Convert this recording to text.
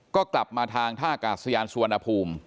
ก็กลับมาทางท่ากาศยานสุวรรณภูมิ